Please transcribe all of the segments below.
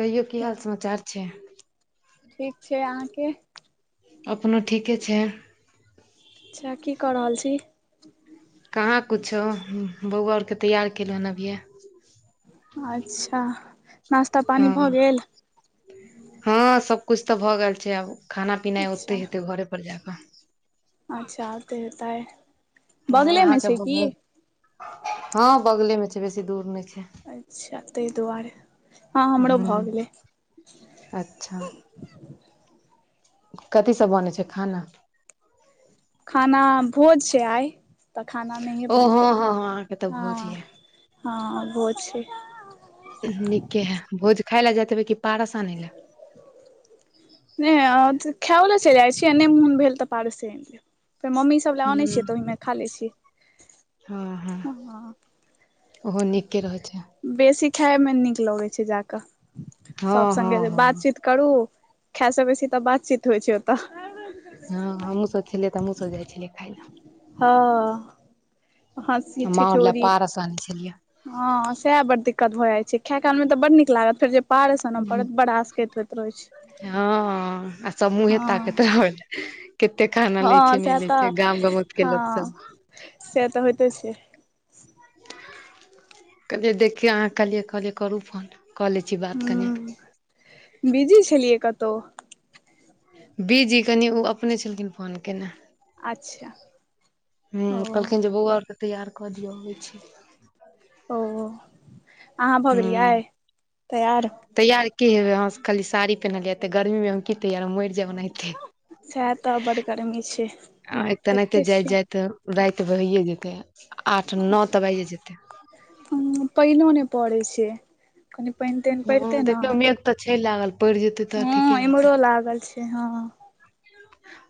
कहियो की हाल समाचार छै? ठीक छै अहाँके? अपनो ठीके छै। अच्छा की कऽ रहल छी। कहाँ कुछो, बौआ औरके तैयार केलहुहन अभिये। अच्छा नास्ता पानी भऽ हँ गेल? हँ सबकुछ तऽ भऽ गैल छै आब खाना-पीनाई अच्छा ओतै हेतै घरे पर जा कऽ। अच्छा ओतै हेतै। हँ बगले में अहाँके छै भऽ की? गेल हँ बगले में छै बेसी दूर नैय छै। अच्छा तय दुआरे हँ हमरो हूँ भऽ गेलै। अच्छा। कथी सब बनै छै खाना? खाना भोज छै आइ। तऽ खाना नहिए ओ हँ बनतै हँ हँ अहाँके तऽ हँ भोज यै। हँ भोज छै। नीके है। भोज खाइ लए जाइत हेबै कि पारस आनय लए? नैय अथ खेएओ लै चइल जाइ छीयै नैय मुन भेल तऽ पारसे अइन लेब फेर मम्मी स सब लै अनय हूँ छियै तऽ ओहिमे खा लै छी। हँ हँ ओहो नीके रहय छै। बेसी खेए में नीक लगै छै जाकऽ सब हँ हँ संगे हँ बात-चीत करू खेए स बेसी तऽ बातचीत होइ छै ओतऽ। हँ हमहूँसब खेलियै तऽ हमहूँसब जाइ छेलियै खाय लए। हँ हँसी माउर लए ठिठोरी। पारस आनै छलियै हँ सएह बड दिक्कत भऽ जाइ छै खै काल में तऽ बड नीक लागत फेर जे पार सन हूं पड़त बड आसकैत होइत रहै छै हँ आ सब मुहें ताकैत हँ रहत। केत्ते खाना लै हँ छै नै सएह लै तऽ छै गाम-गमक के लोक हँ सब से तऽ होइते छै। कहलियै देखी अहाँ कहलियै कहलियै करू फोन कऽ लै छी बात कनि। बीजी छेलियै कत्तौ। बीजी कनि उ अपने छलखिन फोन केने। आच्छा। हूं कहलखिन जे बौआ और के तैयार कऽ दियौ अबय छी। ओ अहाँ भऽ हूँ गेलियै तैयार? तैयार की हेबय हमसऽ खाली साड़ी पेन्हलियै अते गर्मीमे हम की तैयार मइर जैब ओनाहिते। सएह तऽ बड गर्मी छै आइ तऽ एनाहिते देखते छियै जाइत-जाइत राइत भ‌ऽये जेतय आठ न तऽ बाइजे जेतय। ऊं पइनो नैय पड़ै छै कनि पइन-तइन हँ पैड़तै न। देखियौ मेघ तऽ छै लागल पइड़ जेतै तऽ ठीके रहतै। इम्हरो लागल छै हँ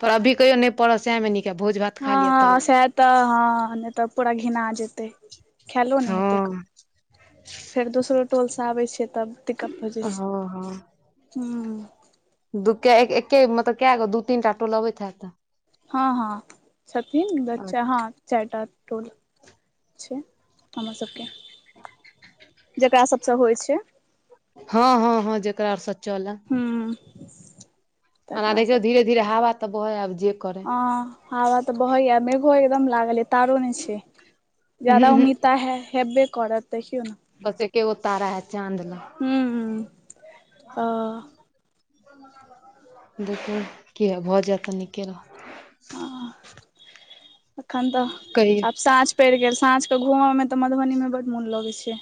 पर अभी कहियौ नैय पड़ऽ सेहै में नीक। य भोज भात हँ खा लिअ हँ तब सैह तऽ हँ नैय तऽ पूरा घिना जेतय। खैलो नैय हेतै कऽ। हँ फेर दोसरो टोल स आबय छै तब दिक्कत भऽ जाइ हँ छै हूं। दूके एक्के-एक्के मतलब कए गो दू तीनटा टोल अबैत हैत तऽ? हँ हँ छथिन द चा हाँ चाइटा टोल छै। हमर सबके जकरा सबसऽ होइ छै। हँ हँ हँ जेकरा आरसँ चलल। हूं। अना देखियौ धीर-धीरे हावा तऽ बहय आब जे कर हँ हावा तऽ बहय या मेघो एकदम लागल अय तारो नै छै उहूं ज्यादा उहूं उम्मीद तऽ आइ है हेब्बे करत देखियौ न। बस एक्केगो तारा है चाँद लग। हूं, हूं अ। देखू, किये भऽ जायत त निके रहत। अखन तऽ कहियौ आब साँझ पड़ि गेल, साँझ क घूमऽ में तऽ मधुबनी में बड्ड मोन लगय छै।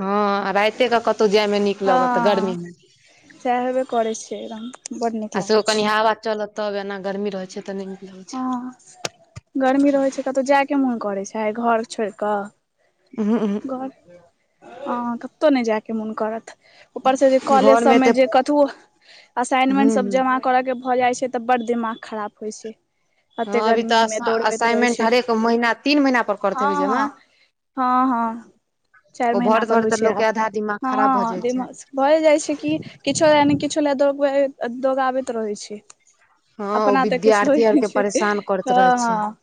हँ, आ राइते के कतहु जायमें निक। लगत हँ गर्मी में सएह हेबे करै छै एकदम बड नीक आ सेहो लागै कनि छै हावा चलत। तब एना गर्मी रहय छै तऽ नइ निक लगय छै। हँ गर्मी रहैत छै कतहु जायके मोन करैत छै, घर छोड़ि कऽ। उहूं, ऊहूं। हं, कतहु नहि जायके मोन करत। उपर से जे कॉलेज सभ घरमे में तऽ जे कथुउ, असाइनमेंट हूँ सभ हूँ जमा। करय के भऽ जाइ छै तऽ बड्ड दिमाग खराब होइ छै। कते हँ अभी गर्मी तऽ मे दौड़बैत रहै असाइनमेंट छै, हरेक महीना तीन महीना पर करैत हँ हेबै जमा हँ। हँ हँ। चारि ओ महीना भरैत पर होइ भरैत छै लोक के आब, आधा दिमाग खराब भऽ हँ जाइ छै भए जाइ छै कि। किछो ले ने किछो ले, दौड़ दौड़ाबैत रहै छै। हँ ओ अपना तऽ किछ होइ विद्यार्थी आर नहि के छै, परेशान करैत रहे हँ छै हँ।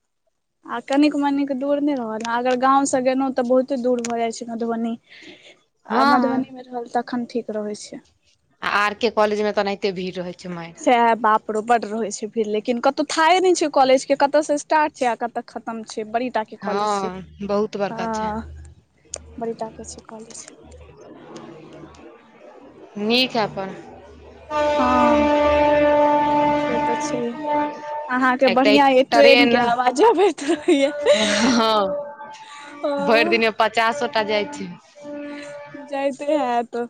आ कनिक-मनिक दूर नहि रहल आ, अगर गाँवसँ गेलउ तऽ बहुते दूर भऽ जाइ छै मधुबनी। आ हँ हँ मधुबनी में रहल तखन ठीक रहै छै। आ आर के कॉलेज में तऽ अनाहिते भीड़ रहैत छै माइन। सैहे बाप रो, बड्ड रहे छै भीड़ लेकिन कतौ थाहै ने छै कॉलेज के कत्त से स्टारट छै आ कत्त। खतम छै, बड़ी टा के कॉलेज छै हँ बहुत बड़का छै हँ। बड़ी टाकै छै कॉलेज। नीक है अपन। हँ से तऽ छै। अहाँके एक तऽ बढ़िया ये ट्रेन के आवाजो आबेैत रहये। हँ भरि दिन पचासों टा जाइ छै। जाइते हैत।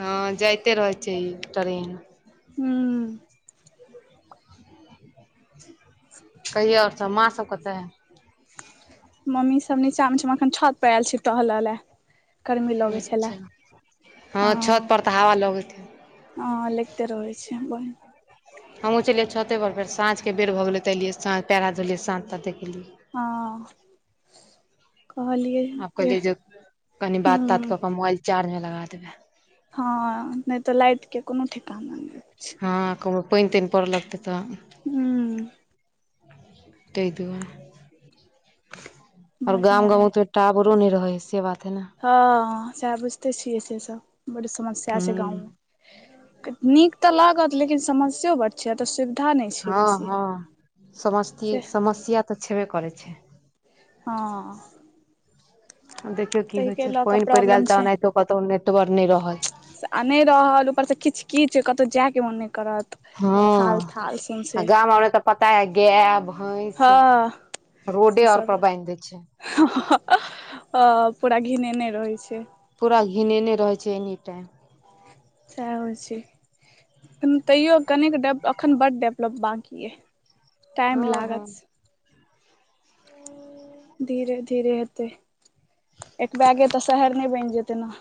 हँ जाइते रहै छिय ई ट्रेन। हूं। कहियौ आओर सभ माँ सभ कतऽ। मम्मी सब नीचा में छै, हम एखन छत पर ऐल छी टहलऽ ले। अच्छा, हँ छत पर तऽ हवा लगत। ह लगते रहै छै ब। हमहूँ छलियै छते पर फेर साँझके बेर भऽ गेलै तऽ एलियै साँझ पैर-हाथ धोलियै साझ त देखलियै। हँ। आब कहलिए जे, कनि बात-तात हूं कऽ क मोबाइल चार्ज में लगा देबै। हँ नहि तऽ लाइट के कोनो ठेकाना नइ। हँ कहु पइन-तइन पड़ऽ लगतय तऽ। हूँ। तय दुआर आओर बढ़िया गाम अइ गाँव त। टावरो नइ रहै हय से बात है न। हँ सेह बुझिते छियै से सब, बड्ड समस्या छै हुँ गाँवमें क। नीक तऽ लागत लेकिन समस्यो बड़ छै अतऽ सु। हँ हँ समती से समस्या तऽ छेबे करै छै। हँ। देखियौ की होइ ताहिके छै, लऽ कऽ पाइन पड़ि प्रॉब्लम गेल छै तऽ, ओनाहितो कतहु नेटवर्क नहि रहल। आ नहि रहल, ऊपरसँ किच- किच कतहु जायके मोन नहि करत। हँ, थाल थाल आ सौंसे गाम आरमे तऽ पता है, गाय, भैंस। हँ रोडे आओर पर बाहिन दे छै। हँ पूरा घिनेने रहै छै। पूरा घिनेने रहै छै, एनी टाइम। सेहे होय छै। तैयो कनिक डेव अखन बड्ड डेवलप बाकी य, टाइम लागत। आ। धीरे- धीरे हेतै, एकबैगे तऽ शहर नहि बनि जेते न।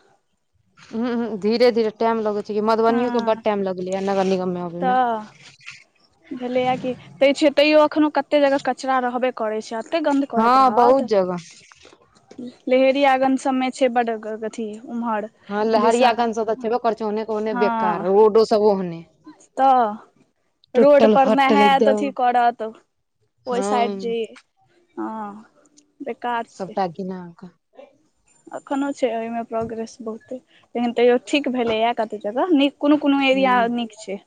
हँ, धीरे -धीरे टाइम लगे छै कि, मधुबनीयो के बड टाइम लगले ये नगर निगम मे आबेमे। भेलैया कि, तैयो अखनो कते जगह कचरा रहबे करै छै। ऐते गन्ध हँ करेत बहुत रहत। जगह लहेरियागंज सबमें छै बड ग अथी, उम्हर! हँ, ल दिसन हरियाागञंज सब तऽ छेबे करै छै, ओहने के ओहने हँ बेकार, रोडो सब ओहने। तऽ। रोड टुटल पर फटल नहैत, अथी एकदम करत, ओहि हँ साइड जे हां सबटा गिना क एखनो छै, ओहिमे प्रोग्रेस बहुते लेकिन तैयो ठीक भेलैएा कते जगह, नय कोनो -कोनो एरिया हूँ नीक छै।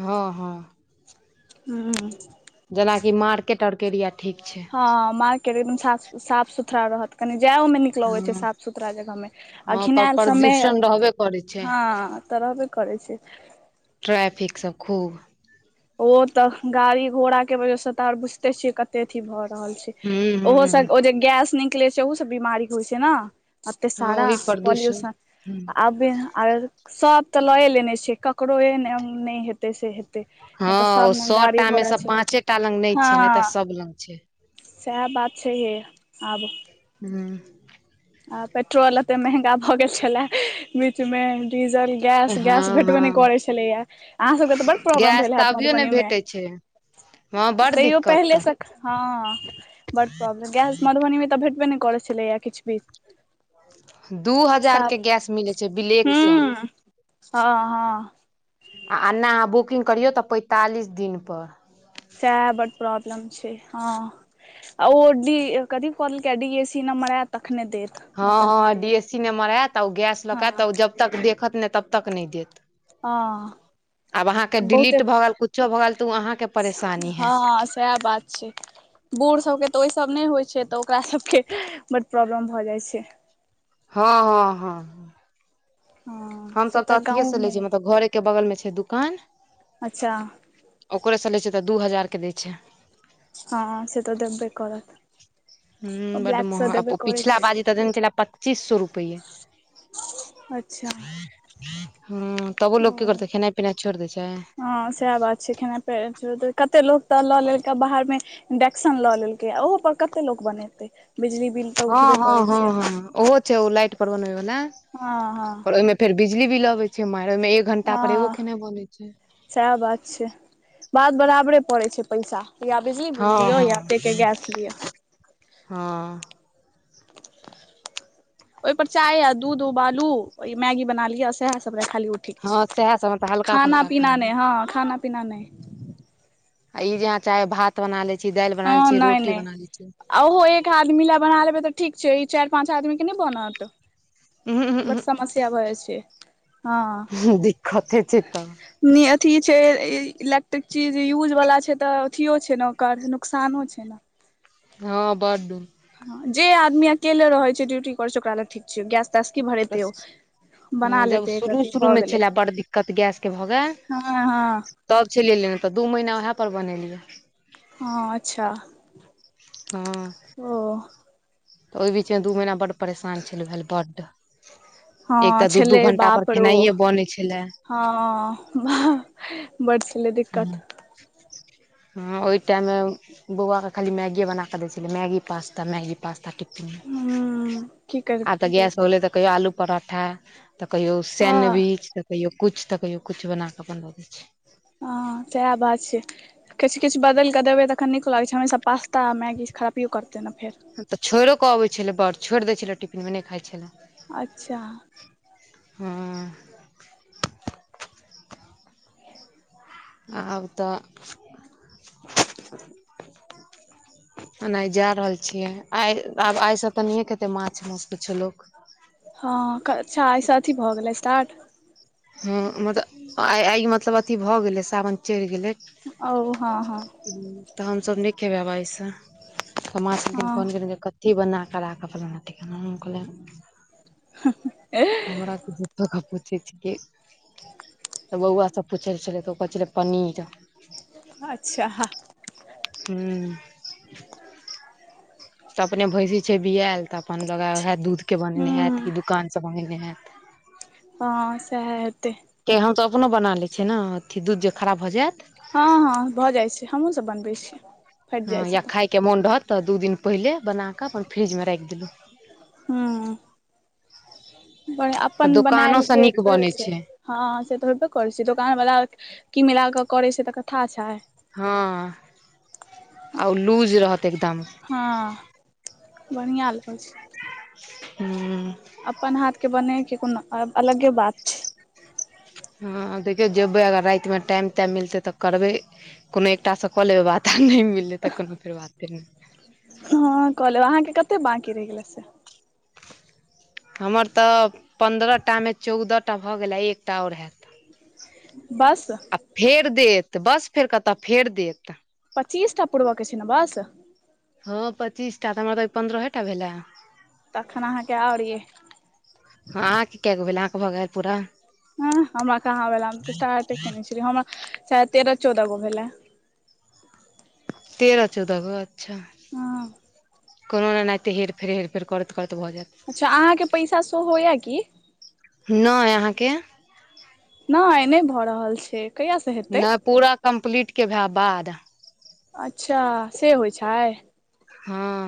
हँ -हँ। हूं। जेनाकि मार्केट और के एरिया ठीक छै। ह मार्केट एकदम साफ साफ सुथड़ा रहत, कनि जायो मे निक लगै छै, हँ साफ -सुथरा जगहमे, आ हँ पर घिनायल सम में प्रदूषण रहबे करै छै हँ, तऽ रहबे करै छै। ट्रैफिक सब खूब। ओ तऽ गाड़ी घोड़ा के वजह से त, आर बूझते ते छियै कते अथी भऽ रहल छै, हूँ ओहो हूँ से ओ जे गैस नि निकले छै, अहु से बीमारी होइ छै न। अते हँ सारा ओहि प्रदूषण पॉल्युशन, आबे आ सब तऽ लए लेने छै, क ककरो एहन नय हेतै, से हेतै। नहि तऽ हँ, ओ सब ने गाड़ी सएटा मे घोड़ा से छै पाँंचे टा लग नय हँ छै, नय तऽ सब लग छै। सएह बात छै हे, आब। हूं। आ पेट्रोल एते महंगा भऽ गेल छलै, बीच मे डीजल। गैस, गैस हँ भेटबे हँ नय करै छलैया, अहाँ सबके तऽ बड प्रॉब्लम गैस भेल तऽ हैत अभियो नहि मधुबनी मे? भेटै छै हँ बड़ तैयो दिक्कत पहिले स तऽ हँ, बड प्रॉब्लम, गैस मधुबनी मे तऽ भेटबे नय करै छलैएा, किछ भी। दू हजार साफ के गैस मिलै छै, बिलेकसँ। हूँ हँ- हँ। आ एना अहाँ बुकिंग करियौ तऽ, पैंतालिस दिनपर। सएह बड प्रॉब्लम छै, हँ। आ ओ डी कथी क देलकै, यै डी ए सी नम्बर ऐत तखने देत। नहि हँ तऽ नहि हँ डी देत एस सी नम्बर ऐत तऽ ओ गैस लक हँ ऐत तऽ ओ जब तक देखत नय तब तक नय देत। हं आब अहाँके बहुते, डिलीट भऽ गेल कुछो भऽ गेल तऽ ओ अहाँके परेशानी है हँ सैह बात। छी, बूढ़ सभके तऽ ओयसभ नय होइ छै तऽ ओकरा सभके बड्ड प्रॉब्लम भऽ जाइ छै। हँ- हँ- हँ- हँ से हमसभ तऽ अथिए से लै गाँवमे छी मतलब घरेके बगल मे छै दुकान अच्छा। ओकरे से लै छै तऽ दू हजार के दै छै। हँ सेत देब्बे करत। हूं बड्ड ब्लैक सँ महग अ देबे ओ करै पिछला छै बाजी त देने छलै पच्चीस सौ रुपए। अच्छा। हूं तबु लोक की ओ करतै खेनाइ पिनाइ छोइड़ देै छै। हँ सैह बात छै खेना- कत्ते लोक त ल लेलकै बाहर में इडेक्शन ल लेलकैयै ओ ऊहो पर कत्ते लोक बनेतय? बिजली बिल तऽ उठबे हँ- हँ करै -हँ छै -हँ ओहो छै ओ लाइट पर बनबैबला हँ हँ पर ओयमे फेर बिजली बिल लगै छै माइर, ओयमे एक घंटा पर एग्गो खनाय बनै छै। सैह बात छै। बात बराबरे पड़ै छै पैसा। या बिजली हँ बिल दियौ या तइके गैस लिअ। हं- ओय पर चाय आ दूध उबालू, ओइ मैगी बना लिय सैह सब लैऽखाली उ ठीक छै, हँ सएह सब मतलब हल्का खाना फल्का -पीना नय हँ खाना -पीना नय। आ ई जे अहां चाहबय भात बना लै छी, दाइल बना हँ लै छी, नहि रोटी नहि बना लय छी आ ओहो एक आदमी लय बना लेबै तऽ ठीक छै। ई चाइर पाँच आदमी के नय बनत। उहूं बड्ड उहूं समस्या भ जाइ छै। उहूं दिक्कते छै तऽ नै अथी छै, ए -इलेक्ट्रिक चीज यूजवला छै तऽ अथियो छै ने ओकर नुकसानो छै ने। हँ बड्ड। हं जे आदमी अकेले रहै छै, ड्यूटी करै छै, ओकरा लए ठीक छै, गैस -तैस की भरेतय ओ। हँ बना जब लेतै एक शुरू रती -शुरू भऽ मे गेलै छलै, बड़ दिक्कत गैस के भऽ गैऽल हँ हँ तब छलियै लेने, तऽ दू महीना वैह पर बनेलियै। हँ अच्छा। हँ। ओ- तऽ ओय बीचमे दू महिना बड्ड परेशान छलउ भेल बड्ड हँ एक तऽ दू -दू छलै घंटा पर बाप रौ खेनाइये बनैय छेले। हँ बाह, बड्ड छलैयै दिक्कत। हँ ओय टाइममे बौआके खाली मैगीए बना कऽ दै छलै। मैगी -पास्ता, मैगी -पास्ता टिप- ह की आ तेऽ करबै गैस होलय तऽ कहियौ आलू पराठा तऽ कहियो हँ सैंनविच तऽ कहियो कुछ तऽ कहियो कुछ बना कऽ अपन दऽ दै छी। हँ सैह बात छै। किछ- किछ बदैलऽ क देबै तऽखन निक लगै छै। हमेशा पास्ता आ मैगी खरापियो करतै ने फेर। हंतऽ छोइड़ो कऽ अबै छलै बड़, छोइड़ दै छलै टिफिन मे, नय खा छलै। अच्छा। हँ। आब तऽ [inaudible] एना आय जा रहल छिय, आइ आब आइ स त नहि खेतै माछ माउस कुछो लोक हँ अच्छा, आय स अथी भऽ गेलै स्टार्ट हँ मतलब आइ -आइ मतलब अथी भऽ गेलै, सावन चढ़ि गेलै। ओ हँ- हँ तऽ हम सभ न खेबै आब आय स, मां छेलखिन हँ फोन केने जे कत थी बना क राखब, फलाना ठिकाना हम कहलियन [unintelligible] हमरा की झुठोके पुछै छि की। तऽ बौआ सब पुछ लै छलय, तऽ ओ कहै छलै पनीरऽ अच्छा हूँ तऽ अपने भैँसी छै बिऐल, तऽ अपन लगे उहे दूध के बनेने ह्म हैत, कि दोकान स मंगेने हेत। हँ सेहे हेतै। के हम सब अपनो बना ले छियै न, अथी दूध जे खराब भ जेत। हँ- हँ भऽ जाइ छै, हमहुँ सब बनबै छीय। हँ या खायके मन रहत तऽ, दू दिन पहिले बना कऽ अपन फ्रिज मे राखि देलहुँ। हँ बढ़िया तऽ अपन बनेल दोकानोसँ के नीक थोड़े होय बनै छै। हँ से तऽ होेबे करै छै, दोकान बला की मिला क करे छै, तकर थाह छय। हँ आ ओ लूज रहत एकदम हँ बढ़िया लगै छै। हूं अपन हाथ के बनेैके, कोनो अलगे बात छै। [inaudible] हँ देखियौ जेबै अगर राति में, टाइम -टाइम मिलतै तऽ करबै। कोनो एकटासँ कऽ लेबै बात, आ नहि मिललय तऽ कोनो फेर बात नहि। हुं हँ क लेब, अहाँ के कते बांकी रहि गेलै से। हमर तऽ पन्द्रहटा में चौदहटा भऽ गेलै, एकटा और हैत। बस आ फेर देत, बस फेर कतऽ, फेर देत पचीसटा पुरब के छै ने बस। हँ पचीस टा, तऽ हमरा तऽ आय पन्द्रहे टा भेले। तखन अहाँके और अय। हँ अहांके के गो भेल, अहां के भऽ गेल पूरा। ऐंह हमरा कहाँ भेला हम त स्टार्टे केने छलये, हमरा शायद तेरह चौदह गो भेले। तेरह चौदह गो अच्छा। हँ कोनो ने एनाहिते हेर -फेर हेर- फेर करैत -करैत भऽ जेत। अच्छा अहाँ के पैसा शो हो या की। नहि अहाँके। नहि -नहि भऽ रहल छै। कहियासँ हेतै नय पूरा कम्प्लीट के भे बाद अच्छा से होइ छै। हँ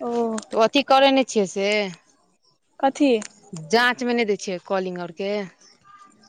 ओ तऽ अथी करै नहि छियै से। कथी जाँचमे नै दै छियै कॉलिंग आरके।